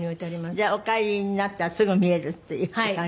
じゃあお帰りになったらすぐ見えるっていう感じ？